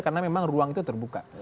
karena memang ruang itu terbuka